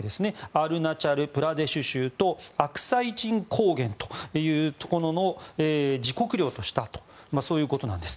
アルナチャル・プラデシュ州とアクサイチン高原というところを自国領としたということです。